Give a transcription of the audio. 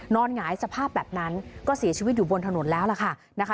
หงายสภาพแบบนั้นก็เสียชีวิตอยู่บนถนนแล้วล่ะค่ะนะคะ